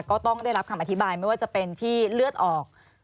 ก็ต้องได้รับคำอธิบายไม่ว่าจะเป็นที่เลือดออก